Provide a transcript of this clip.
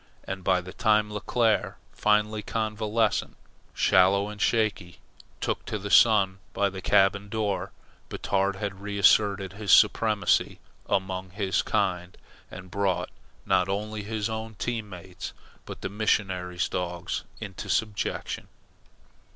And by the time Leclere, finally convalescent, sallow and shaky, took the sun by the cabin door, Batard had reasserted his supremacy among his kind, and brought not only his own team mates but the missionary's dogs into subjection.